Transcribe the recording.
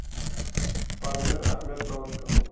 پالمر اهمیت نه ورکاوه.